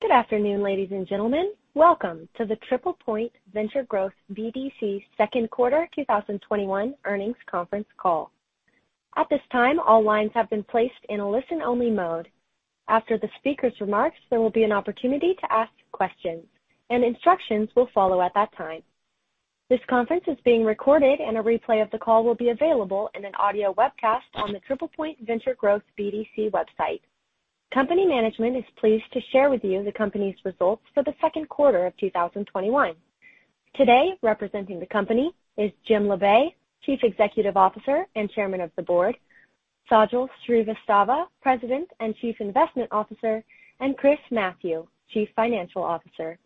Good afternoon, ladies and gentlemen. Welcome to the TriplePoint Venture Growth BDC second quarter 2021 earnings conference call. At this time, all lines have been placed in a listen-only mode. After the speaker's remarks, there will be an opportunity to ask questions, and instructions will follow at that time. This conference is being recorded and a replay of the call will be available in an audio webcast on the TriplePoint Venture Growth BDC website. Company management is pleased to share with you the company's results for the second quarter of 2021. Today, representing the company is Jim Labe, Chief Executive Officer and Chairman of the Board, Sajal Srivastava, President and Chief Investment Officer, and Chris Mathieu, Chief Financial Officer.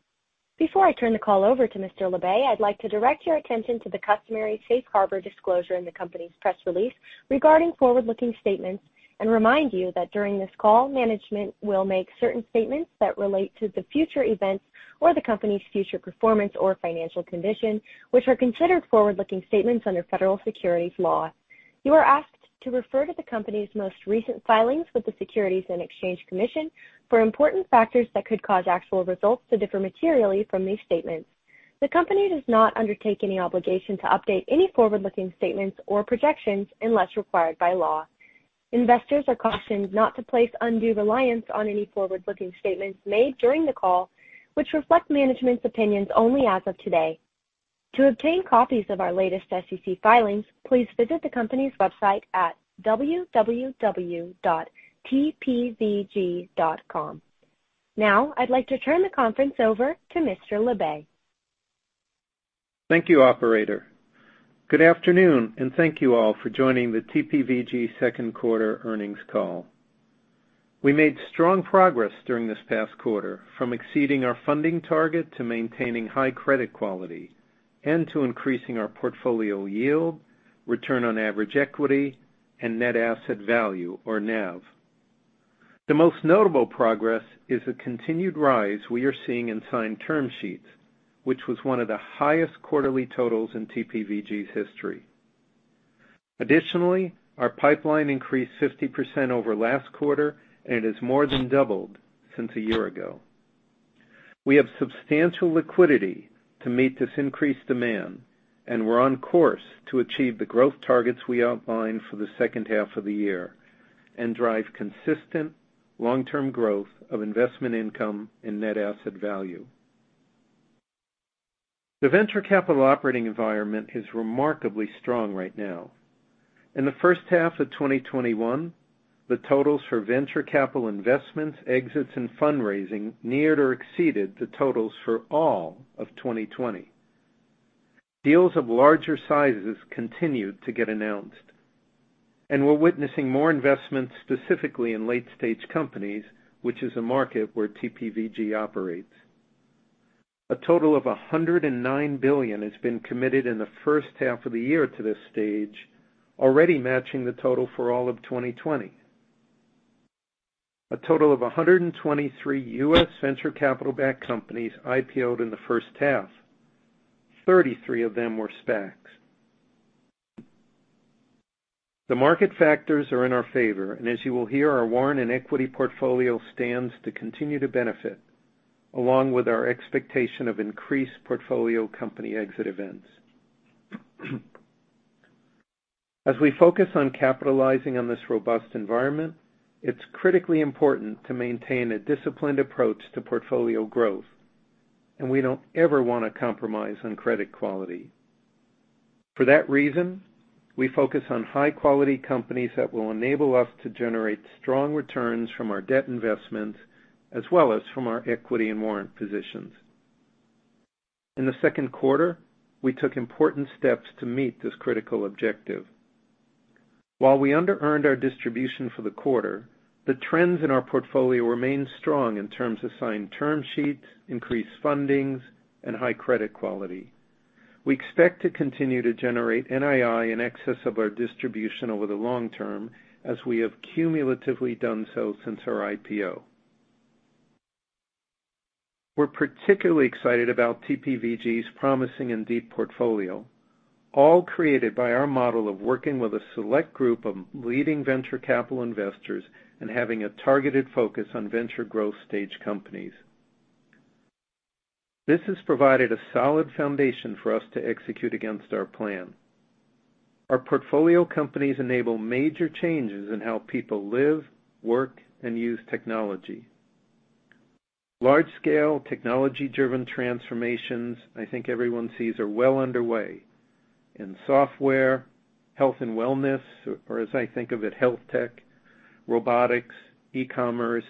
Before I turn the call over to Mr. Labe, I'd like to direct your attention to the customary safe harbor disclosure in the company's press release regarding forward-looking statements, and remind you that during this call, management will make certain statements that relate to the future events or the company's future performance or financial condition, which are considered forward-looking statements under federal securities law. You are asked to refer to the company's most recent filings with the Securities and Exchange Commission for important factors that could cause actual results to differ materially from these statements. The company does not undertake any obligation to update any forward-looking statements or projections unless required by law. Investors are cautioned not to place undue reliance on any forward-looking statements made during the call, which reflect management's opinions only as of today. To obtain copies of our latest SEC filings, please visit the company's website at www.tpvg.com. Now, I'd like to turn the conference over to Mr. Labe. Thank you, operator. Good afternoon, and thank you all for joining the TPVG second quarter earnings call. We made strong progress during this past quarter, from exceeding our funding target to maintaining high credit quality and to increasing our portfolio yield, return on average equity, and net asset value, or NAV. The most notable progress is the continued rise we are seeing in signed term sheets, which was one of the highest quarterly totals in TPVG's history. Our pipeline increased 50% over last quarter, and it has more than doubled since a year ago. We have substantial liquidity to meet this increased demand, and we're on course to achieve the growth targets we outlined for the second half of the year and drive consistent long-term growth of investment income and net asset value. The venture capital operating environment is remarkably strong right now. In the first half of 2021, the totals for venture capital investments, exits, and fundraising neared or exceeded the totals for all of 2020. Deals of larger sizes continued to get announced. We're witnessing more investments specifically in late-stage companies, which is a market where TPVG operates. A total of $109 billion has been committed in the first half of the year to this stage, already matching the total for all of 2020. A total of 123 U.S. venture capital-backed companies IPO'd in the first half. 33 of them were SPACs. The market factors are in our favor. As you will hear, our warrant and equity portfolio stands to continue to benefit, along with our expectation of increased portfolio company exit events. As we focus on capitalizing on this robust environment, it's critically important to maintain a disciplined approach to portfolio growth, and we don't ever want to compromise on credit quality. For that reason, we focus on high-quality companies that will enable us to generate strong returns from our debt investments, as well as from our equity and warrant positions. In the second quarter, we took important steps to meet this critical objective. While we under-earned our distribution for the quarter, the trends in our portfolio remain strong in terms of signed term sheets, increased fundings, and high credit quality. We expect to continue to generate NII in excess of our distribution over the long term, as we have cumulatively done so since our IPO. We're particularly excited about TPVG's promising and deep portfolio, all created by our model of working with a select group of leading venture capital investors and having a targeted focus on venture growth stage companies. This has provided a solid foundation for us to execute against our plan. Our portfolio companies enable major changes in how people live, work, and use technology. Large-scale technology-driven transformations I think everyone sees are well underway in software, health and wellness, or as I think of it, health tech, robotics, e-commerce,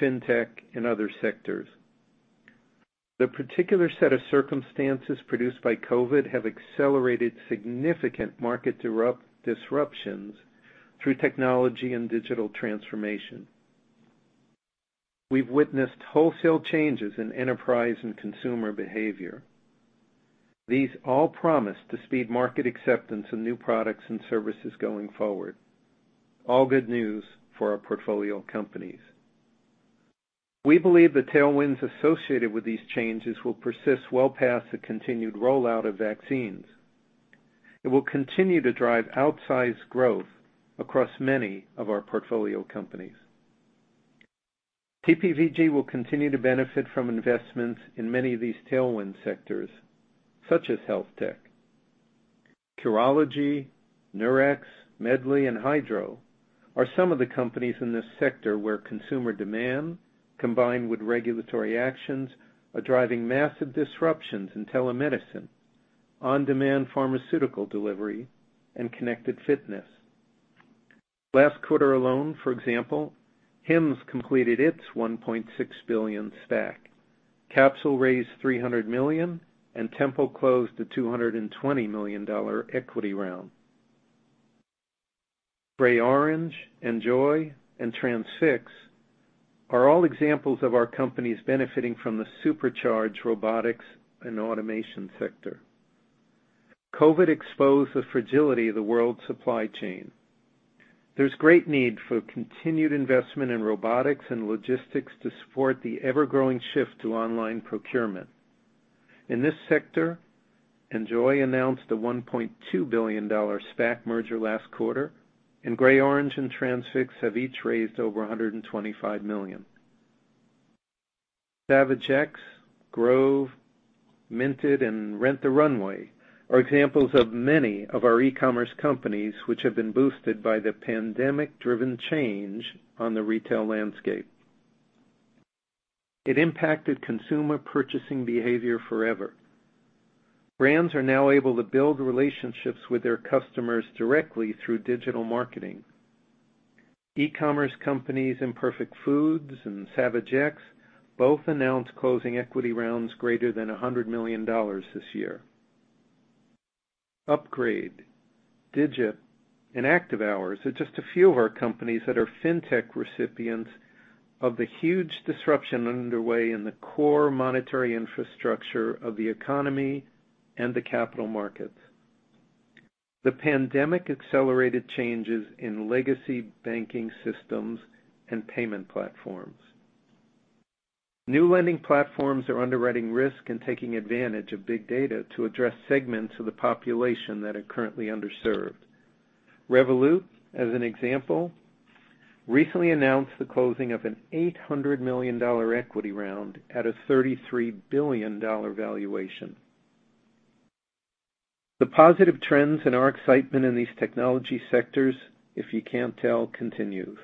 fintech, and other sectors. The particular set of circumstances produced by COVID have accelerated significant market disruptions through technology and digital transformation. We've witnessed wholesale changes in enterprise and consumer behavior. These all promise to speed market acceptance of new products and services going forward, all good news for our portfolio companies. We believe the tailwinds associated with these changes will persist well past the continued rollout of vaccines. It will continue to drive outsized growth across many of our portfolio companies. TPVG will continue to benefit from investments in many of these tailwind sectors, such as health tech. Curology, Nurx, Medly, and Hydrow are some of the companies in this sector where consumer demand, combined with regulatory actions, are driving massive disruptions in telemedicine, on-demand pharmaceutical delivery, and connected fitness. Last quarter alone, for example, Hims completed its $1.6 billion SPAC, Capsule raised $300 million, and Tempo closed a $220 million equity round. GreyOrange, Enjoy, and Transfix are all examples of our companies benefiting from the supercharged robotics and automation sector. COVID exposed the fragility of the world's supply chain. There's great need for continued investment in robotics and logistics to support the ever-growing shift to online procurement. In this sector, Enjoy announced a $1.2 billion SPAC merger last quarter, and GreyOrange and Transfix have each raised over $125 million. Savage X, Grove, Minted, and Rent the Runway are examples of many of our e-commerce companies which have been boosted by the pandemic-driven change on the retail landscape. It impacted consumer purchasing behavior forever. Brands are now able to build relationships with their customers directly through digital marketing. E-commerce companies Imperfect Foods and Savage X both announced closing equity rounds greater than $100 million this year. Upgrade, Digit, and ActiveHours are just a few of our companies that are fintech recipients of the huge disruption underway in the core monetary infrastructure of the economy and the capital markets. The pandemic accelerated changes in legacy banking systems and payment platforms. New lending platforms are underwriting risk and taking advantage of big data to address segments of the population that are currently underserved. Revolut, as an example, recently announced the closing of an $800 million equity round at a $33 billion valuation. The positive trends and our excitement in these technology sectors, if you can't tell, continues.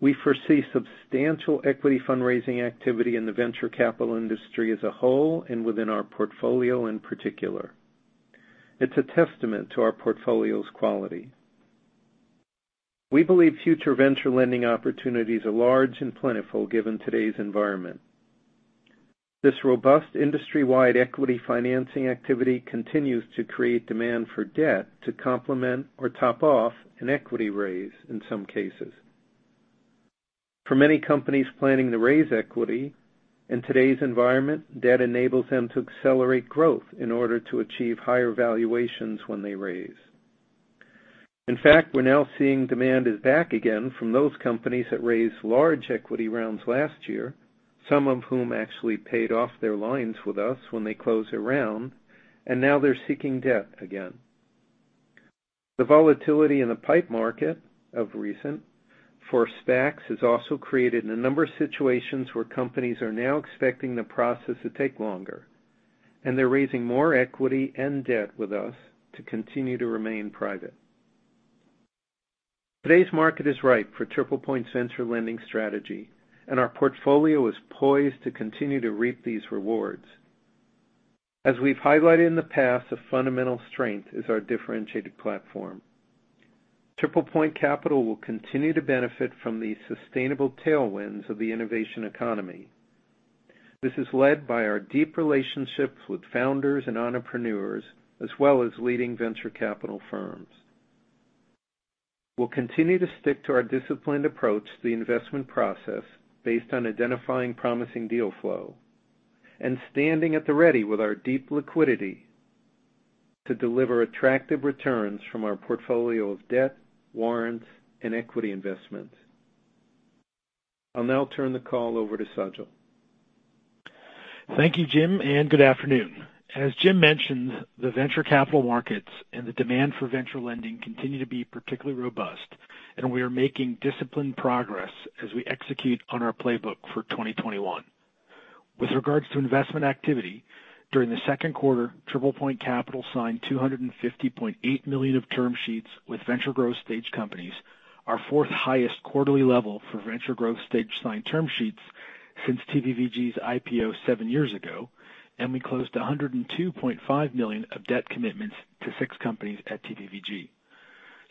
We foresee substantial equity fundraising activity in the venture capital industry as a whole and within our portfolio in particular. It's a testament to our portfolio's quality. We believe future venture lending opportunities are large and plentiful given today's environment. This robust industry-wide equity financing activity continues to create demand for debt to complement or top off an equity raise in some cases. For many companies planning to raise equity, in today's environment, debt enables them to accelerate growth in order to achieve higher valuations when they raise. In fact, we're now seeing demand is back again from those companies that raised large equity rounds last year, some of whom actually paid off their lines with us when they closed their round, and now they're seeking debt again. The volatility in the PIPE market of recent for SPACs has also created a number of situations where companies are now expecting the process to take longer, and they're raising more equity and debt with us to continue to remain private. Today's market is ripe for TriplePoint's venture lending strategy, and our portfolio is poised to continue to reap these rewards. As we've highlighted in the past, the fundamental strength is our differentiated platform. TriplePoint Capital will continue to benefit from the sustainable tailwinds of the innovation economy. This is led by our deep relationships with founders and entrepreneurs, as well as leading venture capital firms. We'll continue to stick to our disciplined approach to the investment process based on identifying promising deal flow and standing at the ready with our deep liquidity to deliver attractive returns from our portfolio of debt, warrants, and equity investments. I'll now turn the call over to Sajal. Thank you, Jim. Good afternoon. As Jim mentioned, the venture capital markets and the demand for venture lending continue to be particularly robust. We are making disciplined progress as we execute on our playbook for 2021. With regards to investment activity, during the second quarter, TriplePoint Capital signed $250.8 million of term sheets with venture growth stage companies, our fourth highest quarterly level for venture growth stage signed term sheets since TPVG's IPO seven years ago. We closed $102.5 million of debt commitments to six companies at TPVG.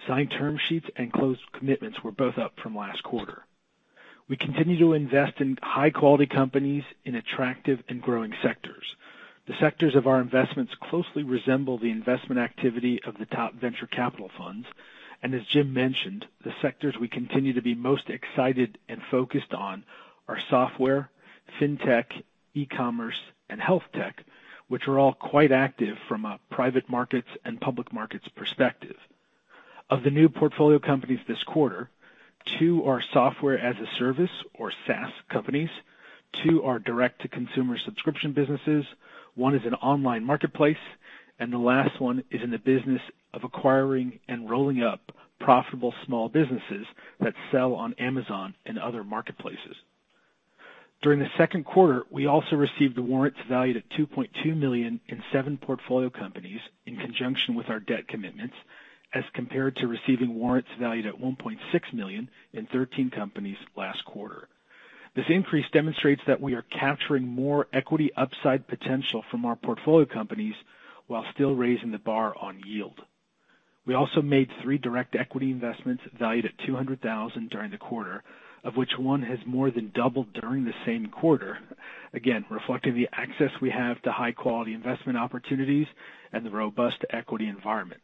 Signed term sheets and closed commitments were both up from last quarter. We continue to invest in high-quality companies in attractive and growing sectors. The sectors of our investments closely resemble the investment activity of the top venture capital funds. As Jim mentioned, the sectors we continue to be most excited and focused on are software, fintech, e-commerce, and health tech, which are all quite active from a private markets and public markets perspective. Of the new portfolio companies this quarter, two are software-as-a-service or SaaS companies, two are direct-to-consumer subscription businesses, one is an online marketplace, and the last one is in the business of acquiring and rolling up profitable small businesses that sell on Amazon and other marketplaces. During the second quarter, we also received warrants valued at $2.2 million in seven portfolio companies in conjunction with our debt commitments, as compared to receiving warrants valued at $1.6 million in 13 companies last quarter. This increase demonstrates that we are capturing more equity upside potential from our portfolio companies while still raising the bar on yield. We also made three direct equity investments valued at $200,000 during the quarter, of which one has more than doubled during the same quarter, again, reflecting the access we have to high-quality investment opportunities and the robust equity environment.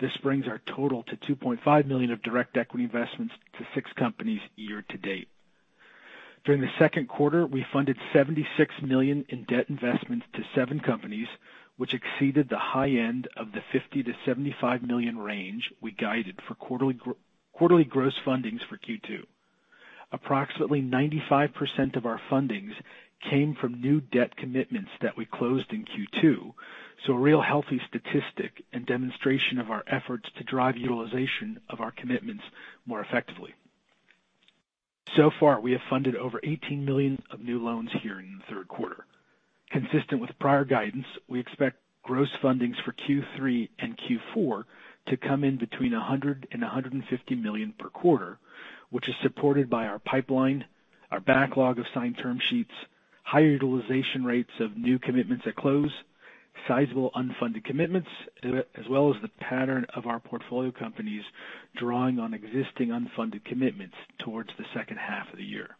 This brings our total to $2.5 million of direct equity investments to six companies year to date. During the second quarter, we funded $76 million in debt investments to seven companies, which exceeded the high end of the $50 million-$75 million range we guided for quarterly gross fundings for Q2. Approximately 95% of our fundings came from new debt commitments that we closed in Q2. A real healthy statistic and demonstration of our efforts to drive utilization of our commitments more effectively. So far, we have funded over $18 million of new loans here in the third quarter. Consistent with prior guidance, we expect gross fundings for Q3 and Q4 to come in between $100 million and $150 million per quarter, which is supported by our pipeline, our backlog of signed term sheets, high utilization rates of new debt commitments at close, sizable unfunded debt commitments, as well as the pattern of our portfolio companies drawing on existing unfunded debt commitments towards the second half of the year.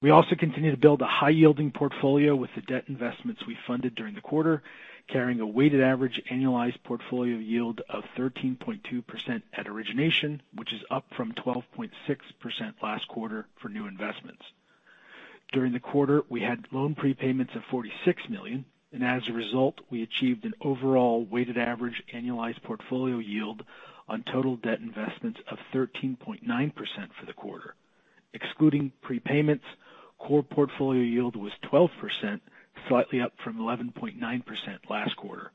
We also continue to build a high-yielding portfolio with the debt investments we funded during the quarter, carrying a weighted average annualized portfolio yield of 13.2% at origination, which is up from 12.6% last quarter for new investments. During the quarter, we had loan prepayments of $46 million. As a result, we achieved an overall weighted average annualized portfolio yield on total debt investments of 13.9% for the quarter. Excluding prepayments, core portfolio yield was 12%, slightly up from 11.9% last quarter.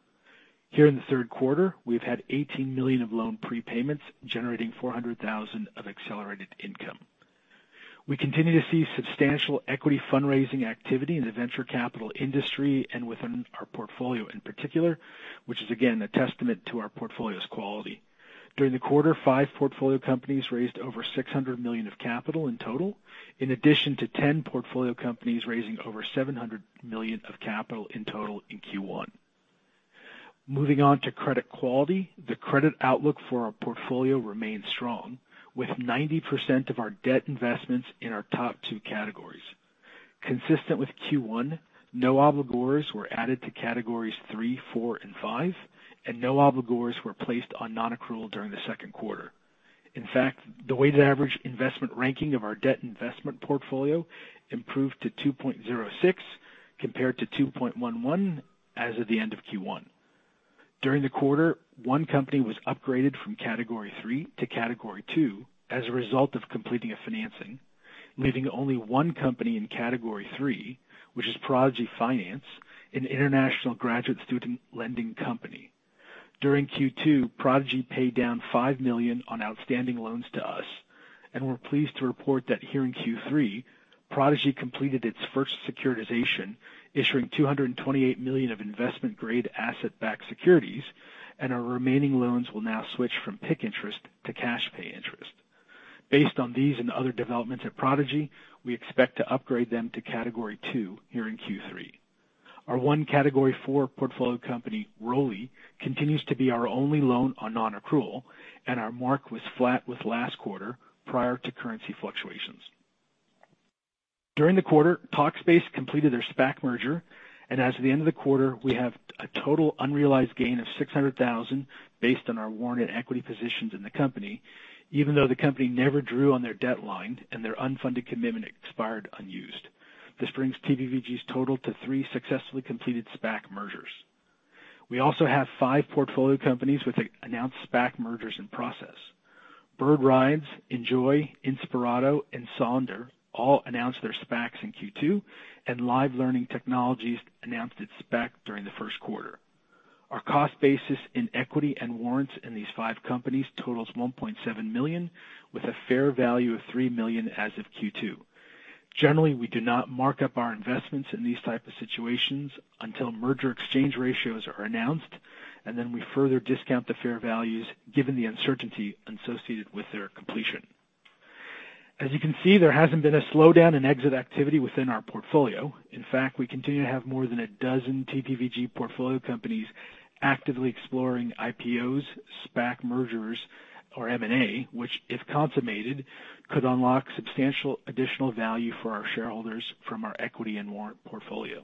Here in the third quarter, we've had $18 million of loan prepayments, generating $400,000 of accelerated income. We continue to see substantial equity fundraising activity in the venture capital industry and within our portfolio in particular, which is again, a testament to our portfolio's quality. During the quarter, five portfolio companies raised over $600 million of capital in total, in addition to ten portfolio companies raising over $700 million of capital in total in Q1. Moving on to credit quality, the credit outlook for our portfolio remains strong, with 90% of our debt investments in our top 2 categories. Consistent with Q1, no obligors were added to categories 3, 4, and 5, and no obligors were placed on non-accrual during the second quarter. In fact, the weighted average investment ranking of our debt investment portfolio improved to 2.06, compared to 2.11 as of the end of Q1. During the quarter, one company was upgraded from category 3 to category 2 as a result of completing a financing, leaving only one company in category 3, which is Prodigy Finance, an international graduate student lending company. During Q2, Prodigy paid down $5 million on outstanding loans to us, and we're pleased to report that here in Q3, Prodigy completed its first securitization, issuing $228 million of investment-grade asset-backed securities, and our remaining loans will now switch from PIK interest to cash pay interest. Based on these and other developments at Prodigy, we expect to upgrade them to category 2 here in Q3. Our one category 4 portfolio company, Roli, continues to be our only loan on non-accrual, and our mark was flat with last quarter prior to currency fluctuations. During the quarter, Talkspace completed their SPAC merger, and as of the end of the quarter, we have a total unrealized gain of $600,000 based on our warrant and equity positions in the company, even though the company never drew on their debt line and their unfunded commitment expired unused. This brings TPVG's total to three successfully completed SPAC mergers. We also have five portfolio companies with announced SPAC mergers in process. Bird Rides, Enjoy, Inspirato, and Sonder all announced their SPACs in Q2, and Live Learning Technologies announced its SPAC during the first quarter. Our cost basis in equity and warrants in these five companies totals $1.7 million, with a fair value of $3 million as of Q2. Generally, we do not mark up our investments in these types of situations until merger exchange ratios are announced, and then we further discount the fair values given the uncertainty associated with their completion. As you can see, there hasn't been a slowdown in exit activity within our portfolio. In fact, we continue to have more than a dozen TPVG portfolio companies actively exploring IPOs, SPAC mergers, or M&A, which, if consummated, could unlock substantial additional value for our shareholders from our equity and warrant portfolio.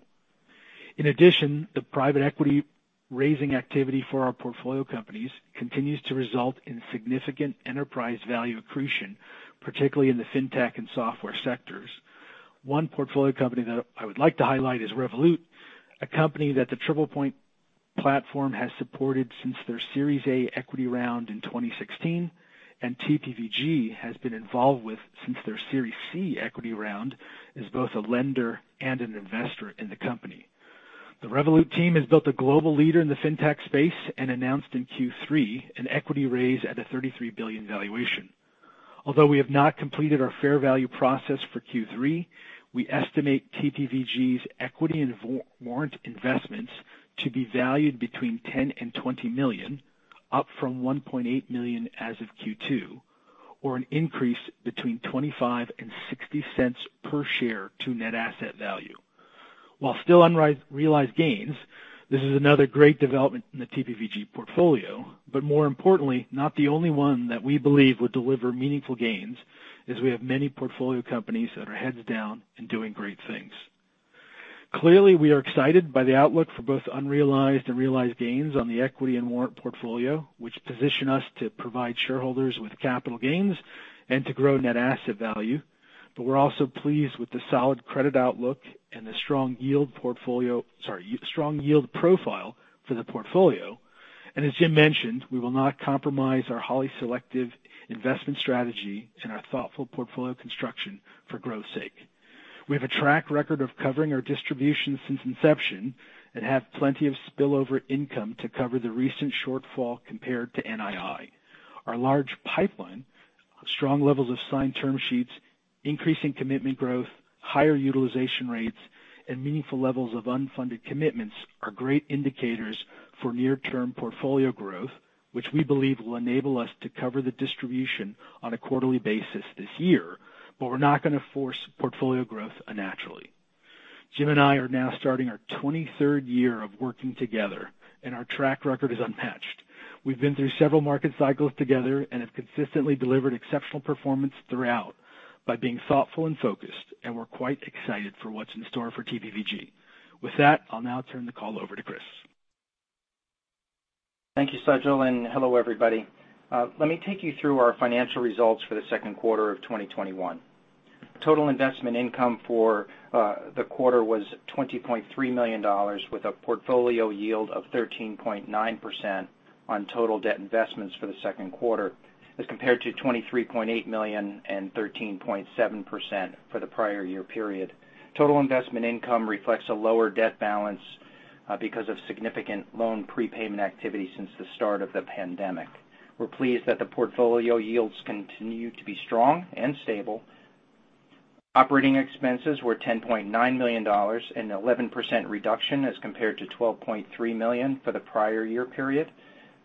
In addition, the private equity raising activity for our portfolio companies continues to result in significant enterprise value accretion, particularly in the fintech and software sectors. One portfolio company that I would like to highlight is Revolut, a company that the TriplePoint platform has supported since their Series A equity round in 2016. TPVG has been involved with since their Series C equity round as both a lender and an investor in the company. The Revolut team has built a global leader in the fintech space and announced in Q3 an equity raise at a $33 billion valuation. Although we have not completed our fair value process for Q3, we estimate TPVG's equity and warrant investments to be valued between $10 million-$20 million, up from $1.8 million as of Q2, or an increase between $0.25-$0.60 per share to net asset value. While still unrealized gains, this is another great development in the TPVG portfolio, more importantly, not the only one that we believe will deliver meaningful gains, as we have many portfolio companies that are heads down and doing great things. Clearly, we are excited by the outlook for both unrealized and realized gains on the equity and warrant portfolio, which position us to provide shareholders with capital gains and to grow net asset value. We're also pleased with the solid credit outlook and the strong yield profile for the portfolio. As Jim mentioned, we will not compromise our highly selective investment strategy and our thoughtful portfolio construction for growth sake. We have a track record of covering our distribution since inception and have plenty of spillover income to cover the recent shortfall compared to NII. Our large pipeline, strong levels of signed term sheets, increasing commitment growth, higher utilization rates, and meaningful levels of unfunded commitments are great indicators for near-term portfolio growth, which we believe will enable us to cover the distribution on a quarterly basis this year, but we are not going to force portfolio growth unnaturally. Jim and I are now starting our 23rd year of working together, and our track record is unmatched. We have been through several market cycles together and have consistently delivered exceptional performance throughout by being thoughtful and focused, and we are quite excited for what is in store for TPVG. With that, I will now turn the call over to Chris. Thank you, Sajal, and hello, everybody. Let me take you through our financial results for the second quarter of 2021. Total investment income for the quarter was $20.3 million, with a portfolio yield of 13.9% on total debt investments for the second quarter, as compared to $23.8 million and 13.7% for the prior year period. Total investment income reflects a lower debt balance because of significant loan prepayment activity since the start of the pandemic. We're pleased that the portfolio yields continue to be strong and stable. Operating expenses were $10.9 million, an 11% reduction as compared to $12.3 million for the prior year period.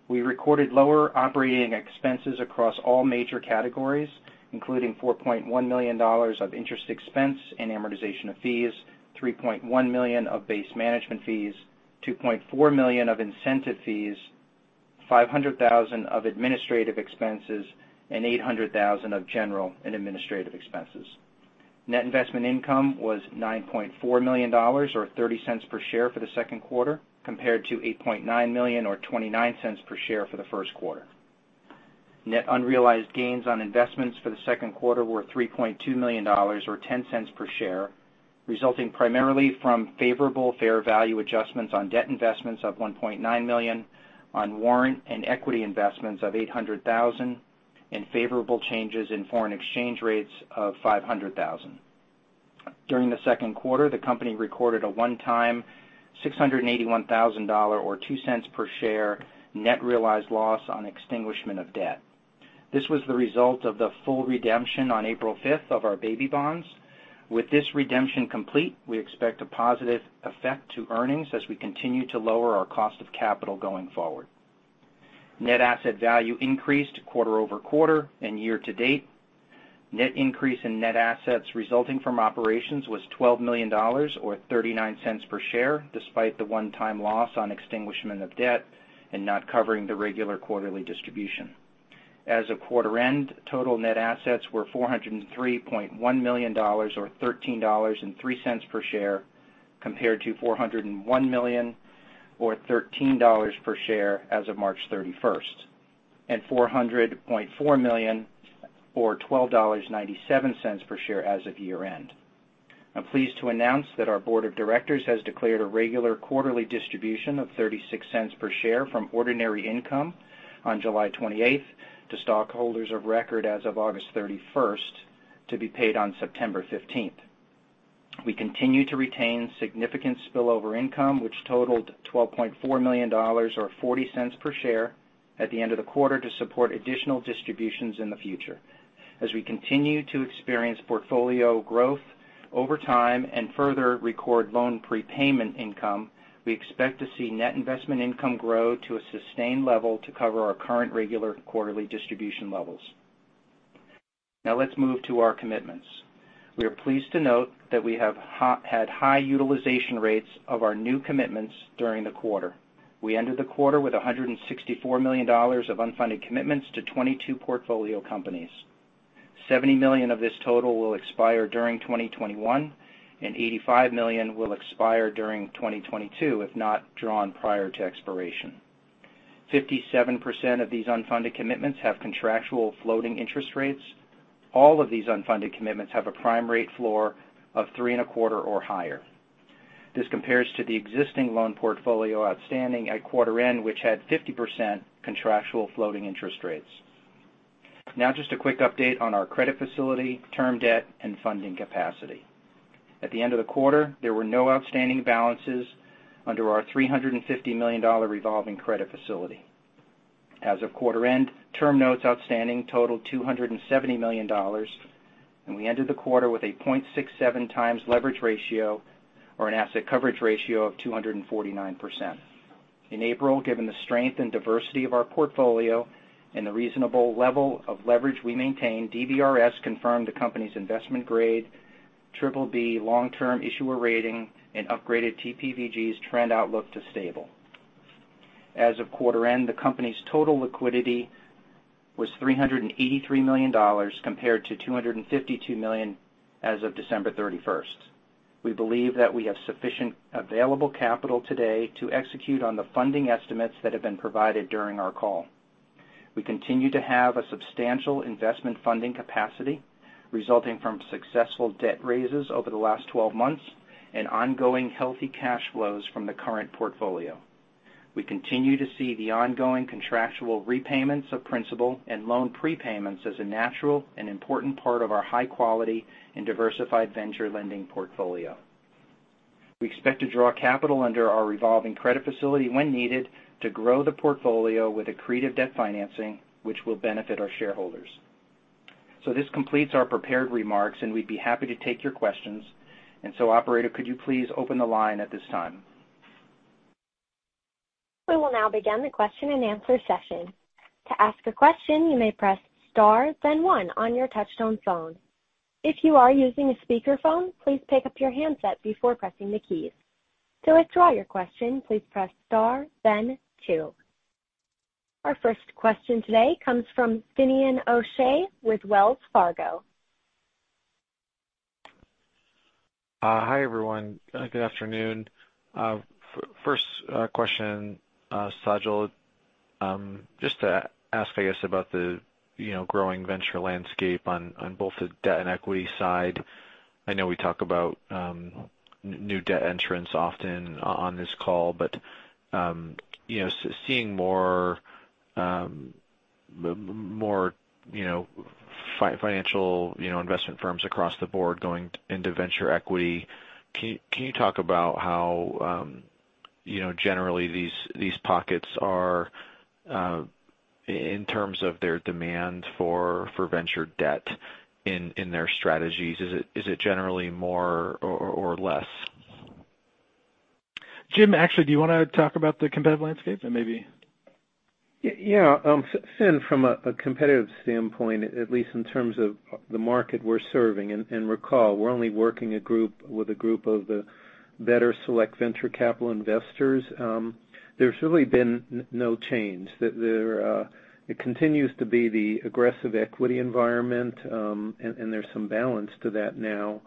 We recorded lower operating expenses across all major categories, including $4.1 million of interest expense and amortization of fees, $3.1 million of base management fees, $2.4 million of incentive fees, $500,000 of administrative expenses, and $800,000 of general and administrative expenses. Net investment income was $9.4 million, or $0.30 per share for the second quarter, compared to $8.9 million or $0.29 per share for the first quarter. Net unrealized gains on investments for the second quarter were $3.2 million or $0.10 per share, resulting primarily from favorable fair value adjustments on debt investments of $1.9 million, on warrant and equity investments of $800,000, and favorable changes in foreign exchange rates of $500,000. During the second quarter, the company recorded a one-time $681,000, or $0.02 per share, net realized loss on extinguishment of debt. This was the result of the full redemption on April 5th of our baby bonds. With this redemption complete, we expect a positive effect to earnings as we continue to lower our cost of capital going forward. Net asset value increased quarter-over-quarter and year-to-date. Net increase in net assets resulting from operations was $12 million, or $0.39 per share, despite the one-time loss on extinguishment of debt and not covering the regular quarterly distribution. As of quarter-end, total net assets were $403.1 million, or $13.03 per share, compared to $401 million, or $13 per share as of March 31st, and $400.4 million, or $12.97 per share as of year-end. I am pleased to announce that our board of directors has declared a regular quarterly distribution of $0.36 per share from ordinary income on July 28th to stockholders of record as of August 31st to be paid on September 15th. We continue to retain significant spillover income, which totaled $12.4 million, or $0.40 per share, at the end of the quarter to support additional distributions in the future. As we continue to experience portfolio growth over time and further record loan prepayment income, we expect to see net investment income grow to a sustained level to cover our current regular quarterly distribution levels. Let's move to our commitments. We are pleased to note that we have had high utilization rates of our new commitments during the quarter. We ended the quarter with $164 million of unfunded commitments to 22 portfolio companies. $70 million of this total will expire during 2021, and $85 million will expire during 2022 if not drawn prior to expiration. 57% of these unfunded commitments have contractual floating interest rates. All of these unfunded commitments have a prime rate floor of three and a quarter or higher. This compares to the existing loan portfolio outstanding at quarter end, which had 50% contractual floating interest rates. Just a quick update on our credit facility, term debt, and funding capacity. At the end of the quarter, there were no outstanding balances under our $350 million revolving credit facility. As of quarter end, term notes outstanding totaled $270 million. We ended the quarter with a 0.67x leverage ratio or an asset coverage ratio of 249%. In April, given the strength and diversity of our portfolio and the reasonable level of leverage we maintain, DBRS confirmed the company's investment grade BBB long-term issuer rating and upgraded TPVG's trend outlook to stable. As of quarter end, the company's total liquidity was $383 million, compared to $252 million as of December 31st. We believe that we have sufficient available capital today to execute on the funding estimates that have been provided during our call. We continue to have a substantial investment funding capacity resulting from successful debt raises over the last 12 months and ongoing healthy cash flows from the current portfolio. We continue to see the ongoing contractual repayments of principal and loan prepayments as a natural and important part of our high quality and diversified venture lending portfolio. We expect to draw capital under our revolving credit facility when needed to grow the portfolio with accretive debt financing, which will benefit our shareholders. This completes our prepared remarks, and we'd be happy to take your questions. Operator, could you please open the line at this time? We will now begin the question-and-answer session. To ask a question, you may press star then one on your touchtone phone. If you are using a speakerphone, please pick up your handset before pressing the keys. To withdraw your question, please press star then two. Our first question today comes from Finian O'Shea with Wells Fargo. Hi, everyone. Good afternoon. First question, Sajal. Just to ask, I guess, about the growing venture landscape on both the debt and equity side. I know we talk about new debt entrants often on this call, but seeing more financial investment firms across the board going into venture equity. Can you talk about how, generally, these pockets are, in terms of their demand for venture debt in their strategies? Is it generally more or less? Jim, actually, do you want to talk about the competitive landscape then maybe? Yeah. Finn, from a competitive standpoint, at least in terms of the market we're serving, and recall, we're only working with a group of the better select venture capital investors. There has really been no change. It continues to be the aggressive equity environment, and there is some balance to that now,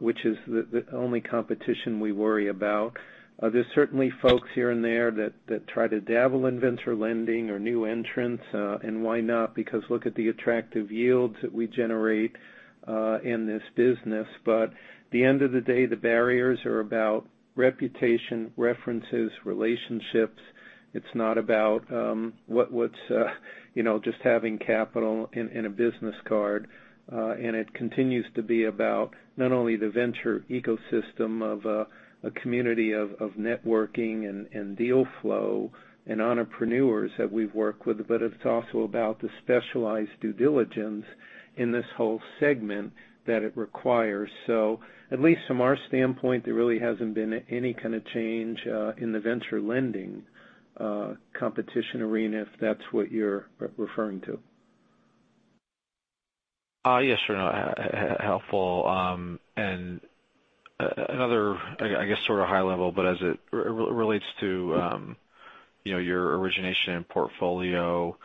which is the only competition we worry about. There is certainly folks here and there that try to dabble in venture lending or new entrants. Why not? Look at the attractive yields that we generate in this business. At the end of the day, the barriers are about reputation, references, relationships. It is not about just having capital and a business card. It continues to be about not only the venture ecosystem of a community of networking and deal flow and entrepreneurs that we work with, but it is also about the specialized due diligence in this whole segment that it requires. At least from our standpoint, there really hasn't been any kind of change in the venture lending competition arena, if that is what you are referring to. Yes, sure. No, helpful. Another, I guess, sort of high level, as it relates to your origination portfolio.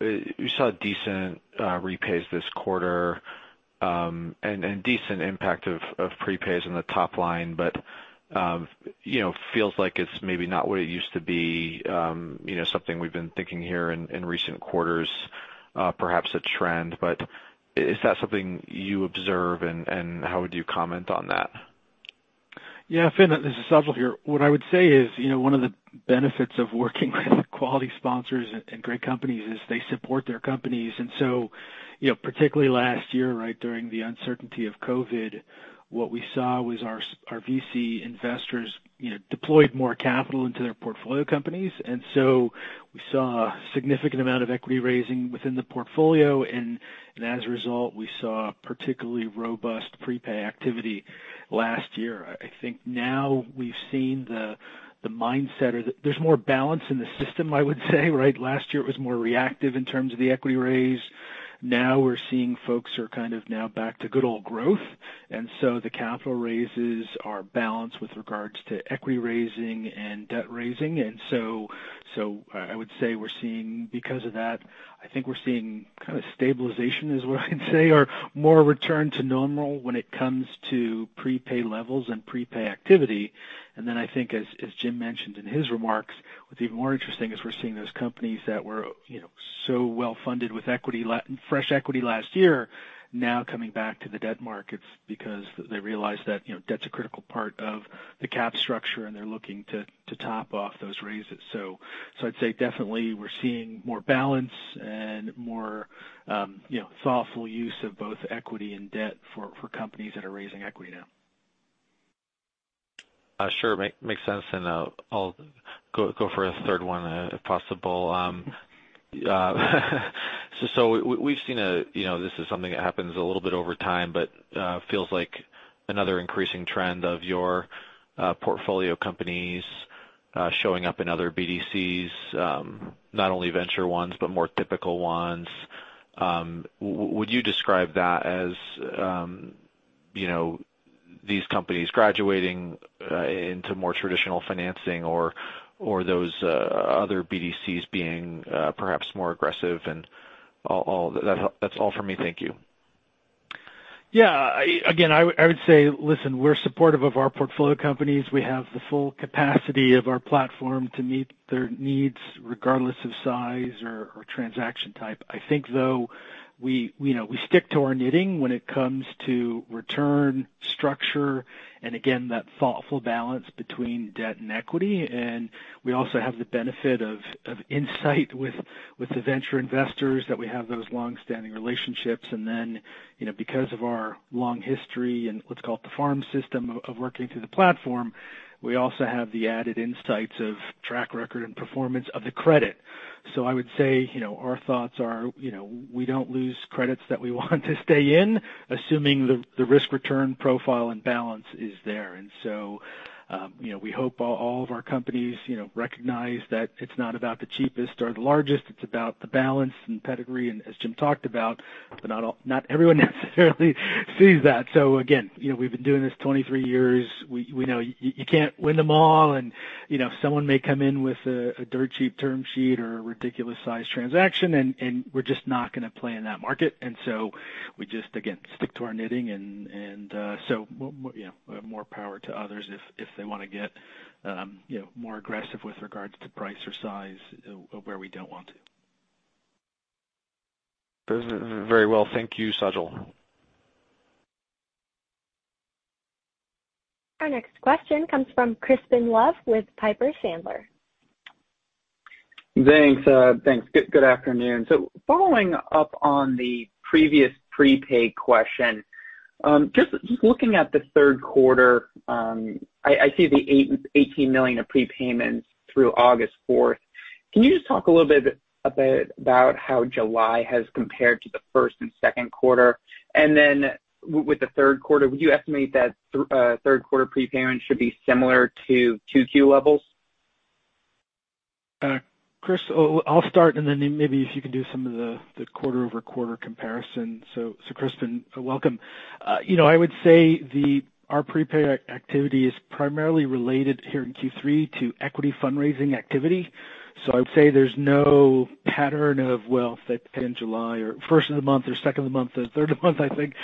You saw decent repays this quarter, and decent impact of prepays on the top line, but feels like it's maybe not what it used to be. Something we've been thinking here in recent quarters, perhaps a trend. Is that something you observe, and how would you comment on that? Finn, this is Sajal here. What I would say is, one of the benefits of working with quality sponsors and great companies is they support their companies. Particularly last year, right, during the uncertainty of COVID, what we saw was our VC investors deployed more capital into their portfolio companies. We saw a significant amount of equity raising within the portfolio. As a result, we saw particularly robust prepay activity last year. I think we've seen the mindset, or there's more balance in the system, I would say, right? Last year, it was more reactive in terms of the equity raise. We're seeing folks are kind of now back to good old growth. The capital raises are balanced with regards to equity raising and debt raising. I would say because of that, I think we're seeing kind of stabilization, is what I'd say, or more return to normal when it comes to prepay levels and prepay activity. Then I think as Jim mentioned in his remarks, what's even more interesting is we're seeing those companies that were so well-funded with fresh equity last year now coming back to the debt markets because they realize that debt's a critical part of the cap structure, and they're looking to top off those raises. I'd say definitely we're seeing more balance and more thoughtful use of both equity and debt for companies that are raising equity now. Sure. Makes sense. I'll go for a third one, if possible. We've seen, this is something that happens a little bit over time, but feels like another increasing trend of your portfolio companies showing up in other VCs, not only venture ones, but more typical ones. Would you describe that as these companies graduating into more traditional financing or those other VCs being perhaps more aggressive and all? That's all from me. Thank you. Yeah. Again, I would say, listen, we're supportive of our portfolio companies. We have the full capacity of our platform to meet their needs, regardless of size or transaction type. I think, though, we stick to our knitting when it comes to return structure, and again, that thoughtful balance between debt and equity. We also have the benefit of insight with the venture investors, that we have those longstanding relationships. Because of our long history and let's call it the farm system of working through the platform, we also have the added insights of track record and performance of the credit. I would say, our thoughts are, we don't lose credits that we want to stay in, assuming the risk-return profile and balance is there. We hope all of our companies recognize that it's not about the cheapest or the largest. It's about the balance and pedigree, as Jim talked about. Not everyone necessarily sees that. Again, we've been doing this 23 years. We know you can't win them all, and someone may come in with a dirt cheap term sheet or a ridiculous size transaction, and we're just not going to play in that market. We just, again, stick to our knitting. More power to others if they want to get more aggressive with regards to price or size where we don't want to. Very well. Thank you, Sajal. Our next question comes from Crispin Love with Piper Sandler. Thanks. Good afternoon. Following up on the previous prepay question, just looking at the third quarter, I see the $18 million of prepayments through August 4th. Can you just talk a little bit about how July has compared to the first and second quarter? With the third quarter, would you estimate that third quarter prepayment should be similar to Q2 levels? Chris, I'll start, and then maybe if you can do some of the quarter-over-quarter comparison. Crispin, welcome. I would say our prepay activity is primarily related here in Q3 to equity fundraising activity. I would say there's no pattern of, well, if they pay in July or first of the month or second of the month or third of the month, I think,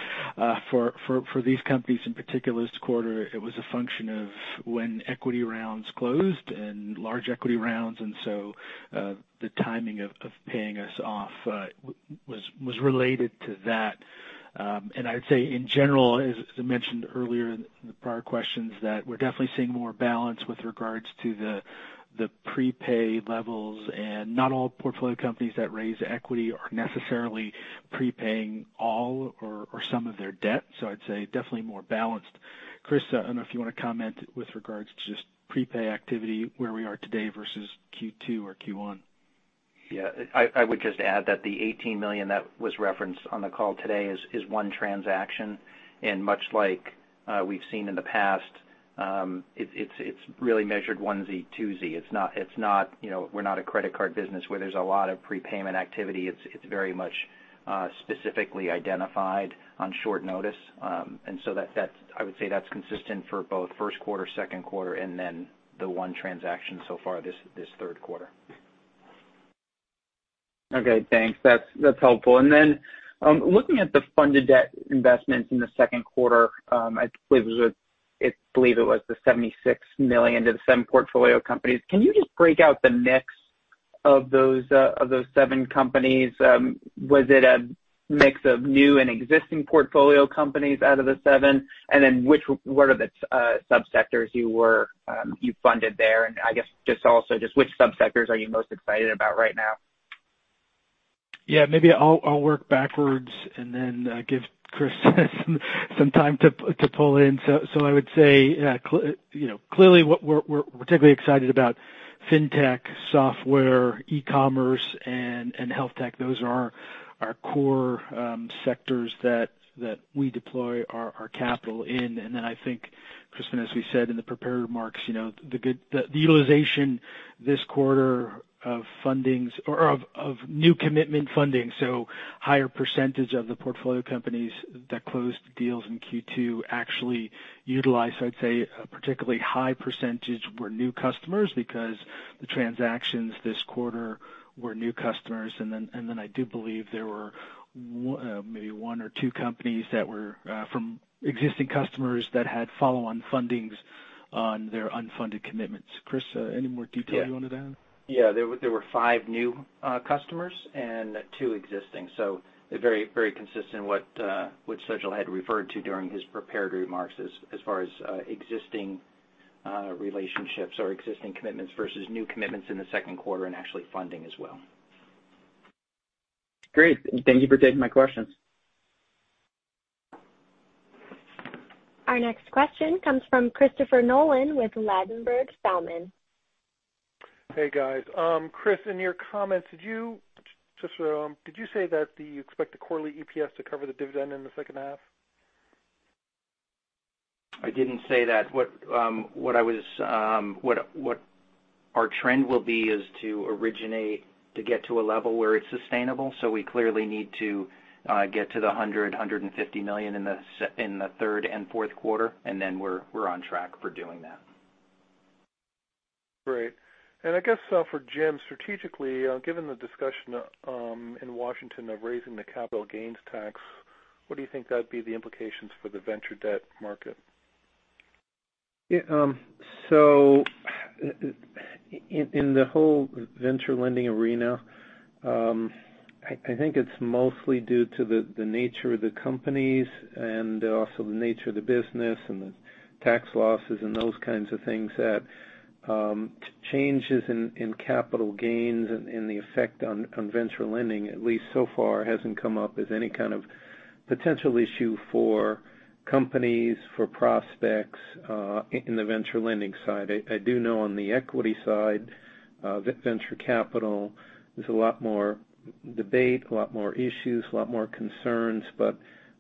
for these companies in particular this quarter, it was a function of when equity rounds closed and large equity rounds. The timing of paying us off was related to that. I would say in general, as I mentioned earlier in the prior questions, that we're definitely seeing more balance with regards to the prepay levels. Not all portfolio companies that raise equity are necessarily prepaying all or some of their debt. I'd say definitely more balanced. Chris, I don't know if you want to comment with regards to just prepay activity, where we are today versus Q2 or Q1? Yeah. I would just add that the $18 million that was referenced on the call today is one transaction. Much like we've seen in the past, it's really measured onesie, twosie. We're not a credit card business where there's a lot of prepayment activity. It's very much specifically identified on short notice. I would say that's consistent for both first quarter, second quarter, and then the one transaction so far this third quarter. Okay, thanks. That's helpful. Looking at the funded debt investments in the second quarter, I believe it was the $76 million to the seven portfolio companies. Can you just break out the mix of those seven companies? Was it a mix of new and existing portfolio companies out of the seven? What are the sub-sectors you funded there? I guess also, which sub-sectors are you most excited about right now? I will work backwards and give Chris some time to pull in. I would say, clearly what we are particularly excited about is fintech, software, e-commerce, and health tech. Those are our core sectors that we deploy our capital in. I think, Crispin, as we said in the prepared remarks, the utilization this quarter of new commitment funding. A higher percentage of the portfolio companies that closed deals in Q2 actually utilized. I would say, a particularly high percentage were new customers because the transactions this quarter were new customers. I do believe there were maybe one or two companies that were from existing customers that had follow-on fundings on their unfunded commitments. Chris, any more detail you wanted to add? Yeah. There were five new customers and two existing. Very consistent with what Sajal had referred to during his prepared remarks as far as existing relationships or existing commitments versus new commitments in the second quarter and actually funding as well. Great. Thank you for taking my questions. Our next question comes from Christopher Nolan with Ladenburg Thalmann. Hey, guys. Chris, in your comments, did you say that you expect the quarterly EPS to cover the dividend in the second half? I didn't say that. What our trend will be is to originate to get to a level where it's sustainable. We clearly need to get to the $100 million, $150 million in the third and fourth quarter, and then we're on track for doing that. Great. I guess for Jim, strategically, given the discussion in Washington of raising the capital gains tax, what do you think that would be the implications for the venture debt market? In the whole venture lending arena, I think it's mostly due to the nature of the companies and also the nature of the business and the tax losses and those kinds of things that changes in capital gains and the effect on venture lending, at least so far, hasn't come up as any kind of potential issue for companies, for prospects in the venture lending side. I do know on the equity side, venture capital, there's a lot more debate, a lot more issues, a lot more concerns.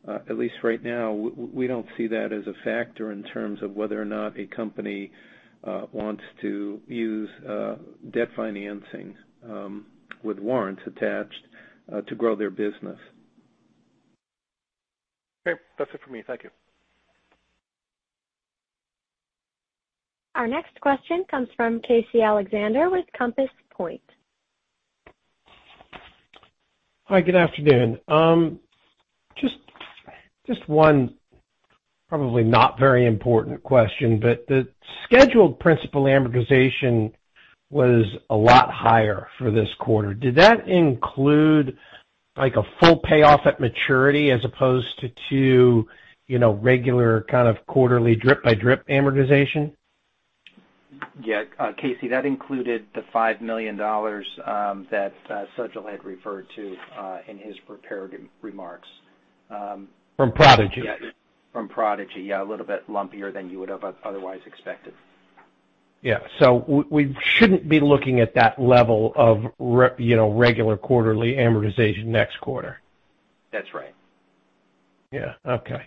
At least right now, we don't see that as a factor in terms of whether or not a company wants to use debt financing with warrants attached to grow their business. Great. That's it for me. Thank you. Our next question comes from Casey Alexander with Compass Point. Hi, good afternoon. Just one probably not very important question, but the scheduled principal amortization was a lot higher for this quarter. Did that include a full payoff at maturity as opposed to two regular kind of quarterly drip-by-drip amortization? Yeah. Casey, that included the $5 million that Sajal had referred to in his prepared remarks. From Prodigy? From Prodigy. Yeah. A little bit lumpier than you would have otherwise expected. Yeah. We shouldn't be looking at that level of regular quarterly amortization next quarter. That's right. Yeah. Okay.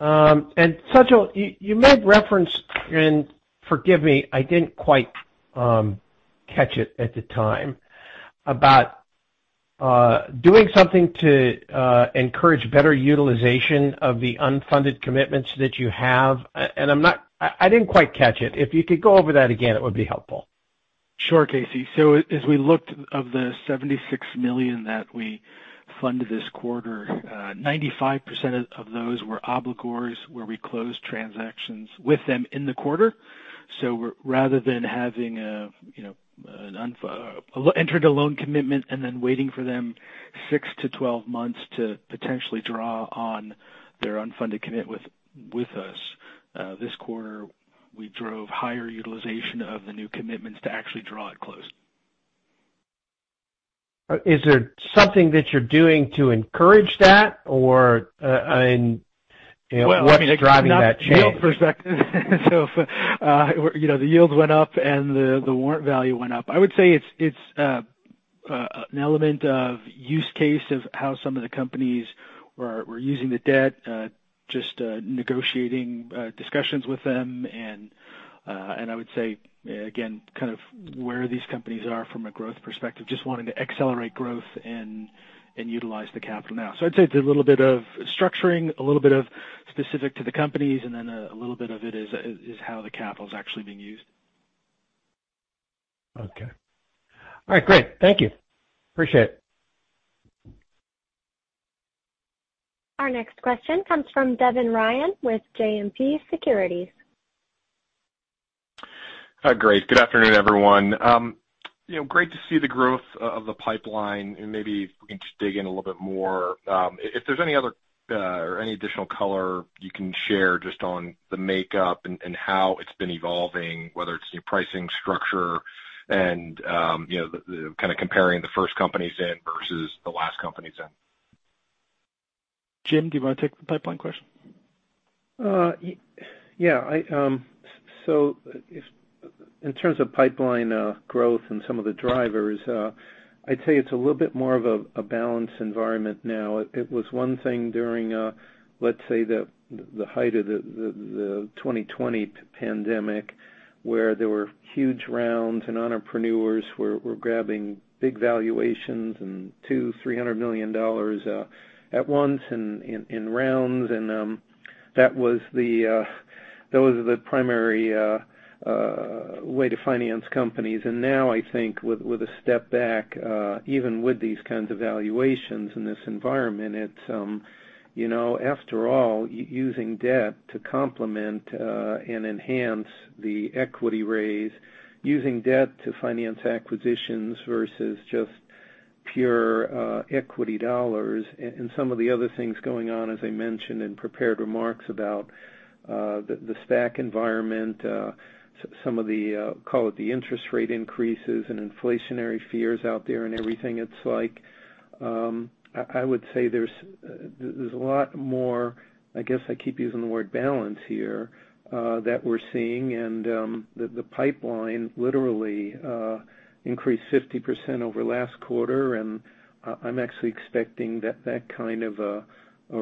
Sajal, you made reference, and forgive me, I didn't quite catch it at the time, about doing something to encourage better utilization of the unfunded commitments that you have. I didn't quite catch it. If you could go over that again, it would be helpful. Sure, Casey. As we looked of the $76 million that we funded this quarter, 95% of those were obligors where we closed transactions with them in the quarter. Rather than having entered a loan commitment and then waiting for them 6-12 months to potentially draw on their unfunded commit with us. This quarter, we drove higher utilization of the new commitments to actually draw it closed. Is there something that you're doing to encourage that? What's driving that change? The yields went up and the warrant value went up. I would say it's an element of use case of how some of the companies were using the debt, just negotiating discussions with them and I would say, again, kind of where these companies are from a growth perspective, just wanting to accelerate growth and utilize the capital now. I'd say it's a little bit of structuring, a little bit of specific to the companies, and then a little bit of it is how the capital's actually being used. Okay. All right, great. Thank you. Appreciate it. Our next question comes from Devin Ryan with JMP Securities. Great. Good afternoon, everyone. Great to see the growth of the pipeline, and maybe if we can just dig in a little bit more. If there's any other or any additional color you can share just on the makeup and how it's been evolving, whether it's new pricing structure and kind of comparing the first companies in versus the last companies in. Jim, do you want to take the pipeline question? Yeah. In terms of pipeline growth and some of the drivers, I'd say it's a little bit more of a balanced environment now. It was one thing during, let's say, the height of the 2020 pandemic, where there were huge rounds and entrepreneurs were grabbing big valuations and $200 million, $300 million at once in rounds. That was the primary way to finance companies. Now, I think, with a step back, even with these kinds of valuations in this environment, it's, after all, using debt to complement and enhance the equity raise. Using debt to finance acquisitions versus just pure equity dollars. Some of the other things going on, as I mentioned in prepared remarks about the SPAC environment, some of the, call it, the interest rate increases and inflationary fears out there and everything. It's like, I would say there's a lot more, I guess I keep using the word balance here, that we're seeing. The pipeline literally increased 50% over last quarter, and I'm actually expecting that kind of a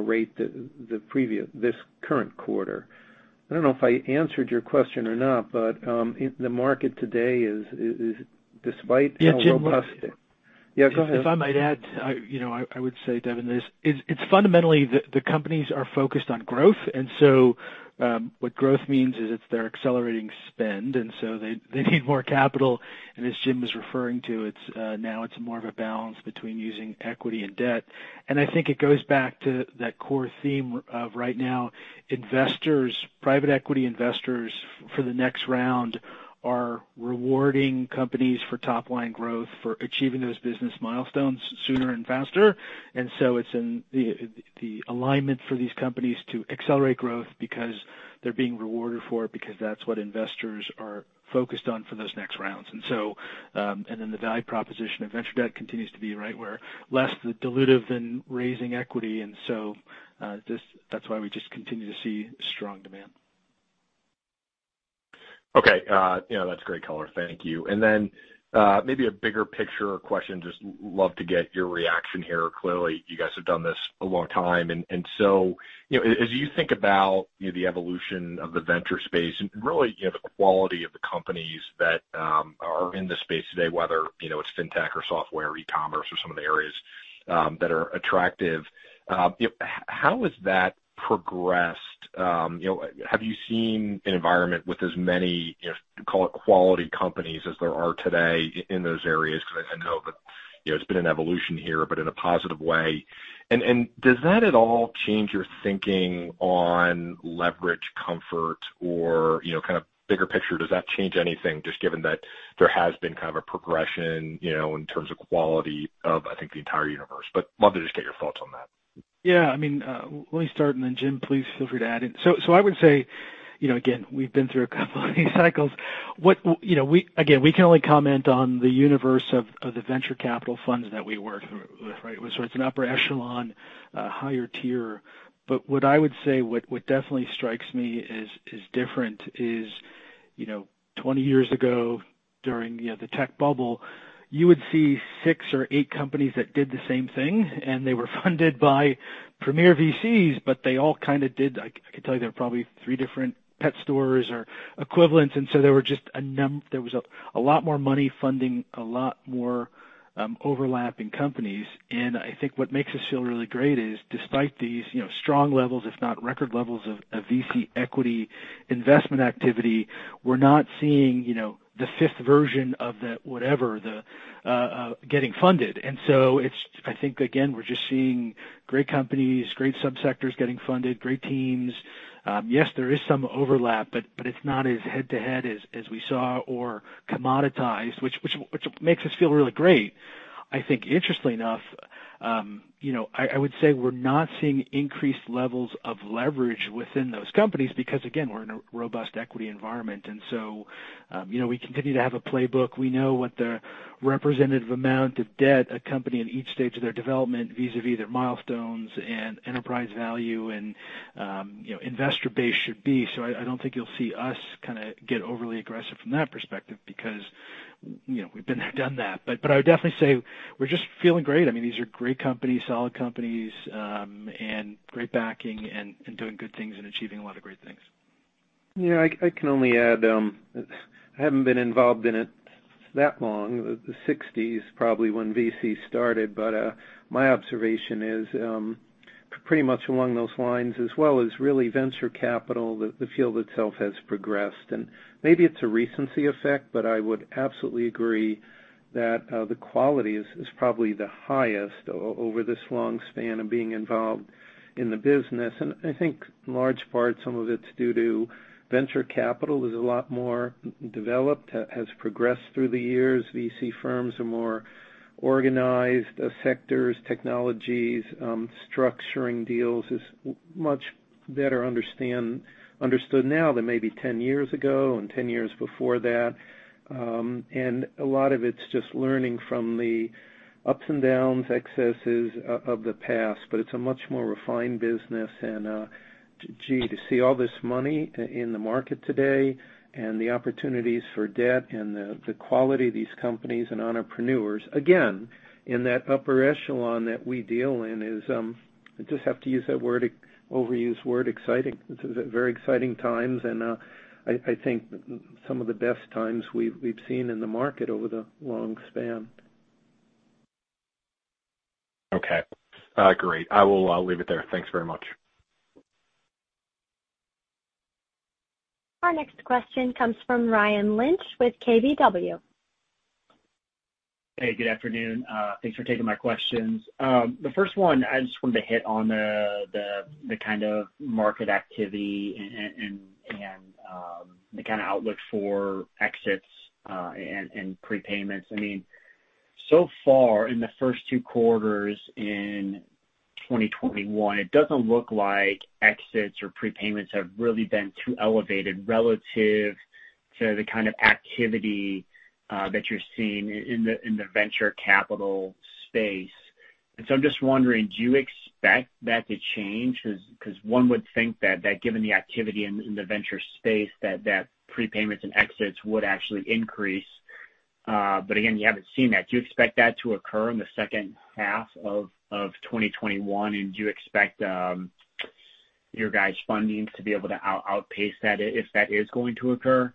rate this current quarter. I don't know if I answered your question or not. Yeah, Jim. Yeah, go ahead. If I might add, I would say, Devin, it's fundamentally the companies are focused on growth. What growth means is it's their accelerating spend, they need more capital. As Jim was referring to, now it's more of a balance between using equity and debt. I think it goes back to that core theme of right now, private equity investors for the next round are rewarding companies for top-line growth, for achieving those business milestones sooner and faster. It's in the alignment for these companies to accelerate growth because they're being rewarded for it, because that's what investors are focused on for those next rounds. The value proposition of venture debt continues to be right where less dilutive than raising equity. That's why we just continue to see strong demand. Okay. That's great color. Thank you. Maybe a bigger picture question. Just love to get your reaction here. Clearly, you guys have done this a long time, as you think about the evolution of the venture space and really the quality of the companies that are in the space today, whether it's fintech or software, e-commerce or some of the areas that are attractive, how has that progressed? Have you seen an environment with as many, call it, quality companies as there are today in those areas? I know that it's been an evolution here, but in a positive way. Does that at all change your thinking on leverage comfort or kind of bigger picture, does that change anything, just given that there has been kind of a progression in terms of quality of, I think, the entire universe. Love to just get your thoughts on that. Let me start. Jim, please feel free to add in. I would say, we've been through a couple of these cycles. We can only comment on the universe of the venture capital funds that we work with, right? It's an upper echelon, higher tier. What I would say, what definitely strikes me as different is, 20 years ago, during the tech bubble, you would see six or eight companies that did the same thing, and they were funded by premier VCs, but they all kind of did. I could tell you they were probably three different pet stores or equivalents. There was a lot more money funding, a lot more overlapping companies. I think what makes us feel really great is despite these strong levels, if not record levels of VC equity investment activity, we're not seeing the fifth version of the whatever getting funded. I think, again, we're just seeing great companies, great sub-sectors getting funded, great teams. Yes, there is some overlap, but it's not as head-to-head as we saw or commoditized, which makes us feel really great. I think interestingly enough, I would say we're not seeing increased levels of leverage within those companies because, again, we're in a robust equity environment. We continue to have a playbook. We know what the representative amount of debt a company at each stage of their development vis-a-vis their milestones and enterprise value and investor base should be. I don't think you'll see us kind of get overly aggressive from that perspective because we've been there, done that. I would definitely say we're just feeling great. These are great companies, solid companies, and great backing and doing good things and achieving a lot of great things. Yeah, I can only add, I haven't been involved in it that long. The 1960s probably when VC started. My observation is pretty much along those lines as well as really venture capital, the field itself has progressed. Maybe it's a recency effect, I would absolutely agree that the quality is probably the highest over this long span of being involved in the business. I think in large part, some of it's due to venture capital is a lot more developed, has progressed through the years. VC firms are more organized. The sectors, technologies, structuring deals is much Better understood now than maybe 10 years ago and 10 years before that. A lot of it's just learning from the ups and downs, excesses of the past, but it's a much more refined business and, gee, to see all this money in the market today and the opportunities for debt and the quality of these companies and entrepreneurs, again, in that upper echelon that we deal in is, I just have to use that overused word, exciting. This is very exciting times, and I think some of the best times we've seen in the market over the long span. Okay. Great. I will leave it there. Thanks very much. Our next question comes from Ryan Lynch with KBW. Hey, good afternoon. Thanks for taking my questions. The first one, I just wanted to hit on the kind of market activity and the kind of outlook for exits and prepayments. So far in the first two quarters in 2021, it doesn't look like exits or prepayments have really been too elevated relative to the kind of activity that you're seeing in the venture capital space. I'm just wondering, do you expect that to change? One would think that given the activity in the venture space, that prepayments and exits would actually increase. Again, you haven't seen that. Do you expect that to occur in the second half of 2021? Do you expect your guys' fundings to be able to outpace that if that is going to occur?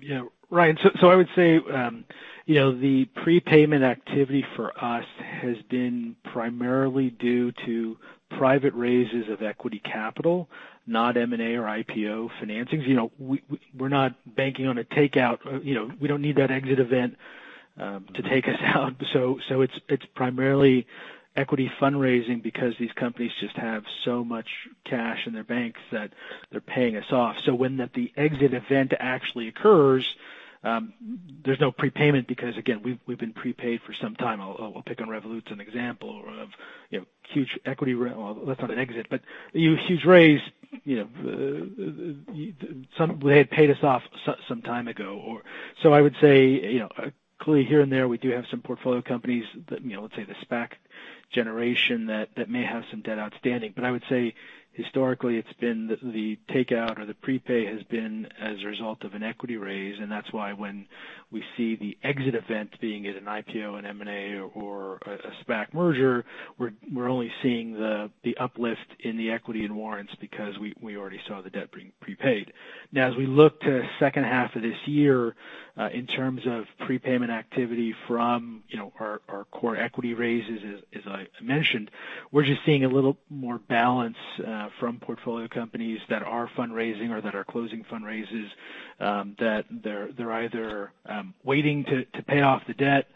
Yeah. Ryan, I would say the prepayment activity for us has been primarily due to private raises of equity capital, not M&A or IPO financings. We're not banking on a takeout. We don't need that exit event to take us out. It's primarily equity fundraising because these companies just have so much cash in their banks that they're paying us off. When the exit event actually occurs, there's no prepayment because, again, we've been prepaid for some time. I'll pick on Revolut as an example of huge equity, Well, that's not an exit, but huge raise. They had paid us off some time ago. I would say clearly here and there, we do have some portfolio companies that, let's say the SPAC generation that may have some debt outstanding. I would say historically, the takeout or the prepay has been as a result of an equity raise, and that's why when we see the exit event being at an IPO, an M&A or a SPAC merger, we're only seeing the uplift in the equity and warrants because we already saw the debt being prepaid. As we look to second half of this year, in terms of prepayment activity from our core equity raises, as I mentioned, we're just seeing a little more balance from portfolio companies that are fundraising or that are closing fundraisers that they're either waiting to pay off the debt,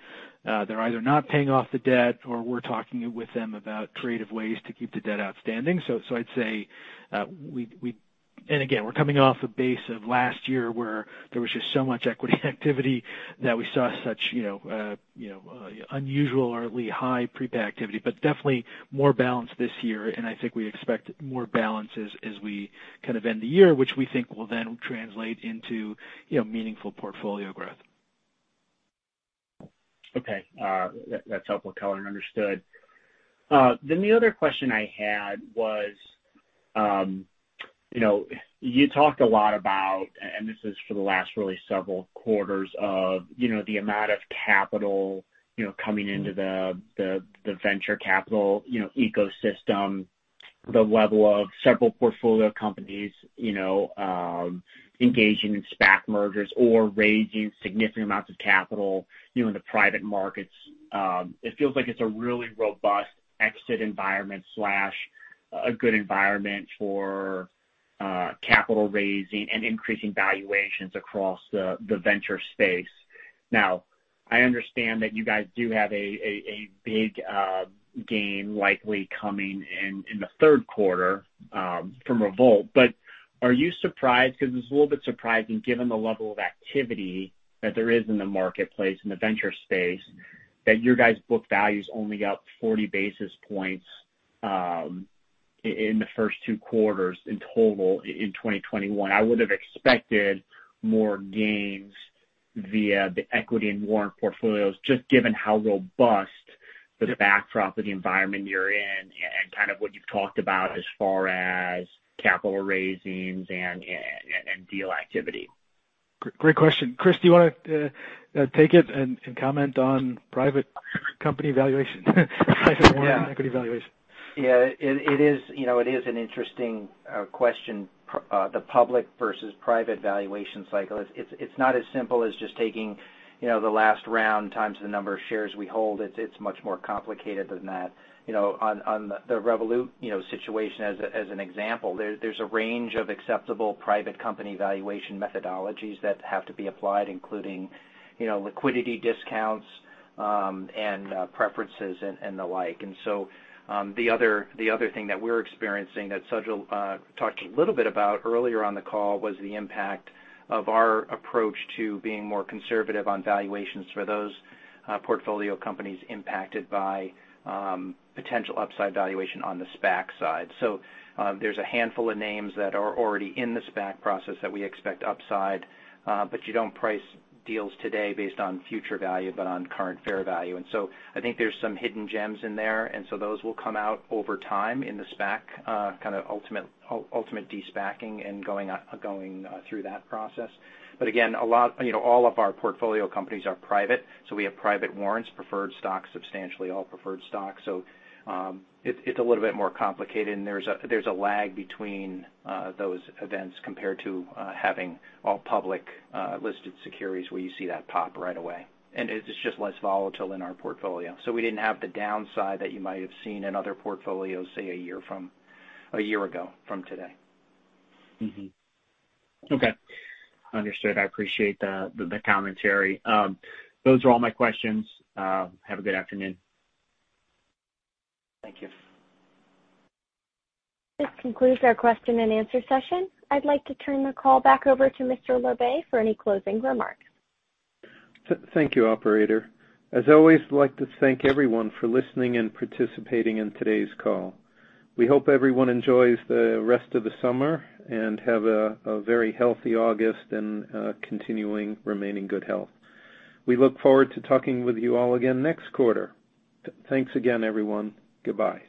they're either not paying off the debt, or we're talking with them about creative ways to keep the debt outstanding. Again, we're coming off a base of last year where there was just so much equity activity that we saw such unusually high prepay activity. Definitely more balance this year, and I think we expect more balances as we kind of end the year, which we think will then translate into meaningful portfolio growth. Okay. That's helpful color. Understood. The other question I had was, you talked a lot about, and this is for the last really several quarters of the amount of capital coming into the venture capital ecosystem, the level of several portfolio companies engaging in SPAC mergers or raising significant amounts of capital in the private markets. It feels like it's a really robust exit environment/a good environment for capital raising and increasing valuations across the venture space. I understand that you guys do have a big gain likely coming in the third quarter from Revolut. Are you surprised? Because it's a little bit surprising given the level of activity that there is in the marketplace, in the venture space, that your guys' book value's only up 40 basis points in the first two quarters in total in 2021? I would have expected more gains via the equity and warrant portfolios, just given how robust the backdrop of the environment you're in and kind of what you've talked about as far as capital raisings and deal activity. Great question. Chris, do you want to take it and comment on private company valuation, private warrant equity valuation? Yeah. It is an interesting question. The public versus private valuation cycle. It's not as simple as just taking the last round times the number of shares we hold. It's much more complicated than that. On the Revolut situation as an example, there's a range of acceptable private company valuation methodologies that have to be applied, including liquidity discounts and preferences and the like. The other thing that we're experiencing that Sajal talked a little bit about earlier on the call was the impact of our approach to being more conservative on valuations for those portfolio companies impacted by potential upside valuation on the SPAC side. There's a handful of names that are already in the SPAC process that we expect upside. You don't price deals today based on future value, but on current fair value. I think there's some hidden gems in there, and so those will come out over time in the SPAC kind of ultimate de-SPACing and going through that process. Again, all of our portfolio companies are private. We have private warrants, preferred stock, substantially all preferred stock. It's a little bit more complicated, and there's a lag between those events compared to having all public listed securities where you see that pop right away. It's just less volatile in our portfolio. We didn't have the downside that you might have seen in other portfolios, say, a year ago from today. Understood. I appreciate the commentary. Those are all my questions. Have a good afternoon. Thank you. This concludes our question-and-answer session. I'd like to turn the call back over to Mr. Labe for any closing remarks. Thank you, operator. As always, I'd like to thank everyone for listening and participating in today's call. We hope everyone enjoys the rest of the summer and have a very healthy August and continuing remaining good health. We look forward to talking with you all again next quarter. Thanks again, everyone. Goodbye.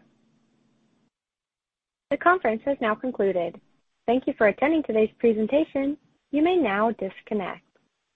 The conference has now concluded. Thank you for attending today's presentation. You may now disconnect.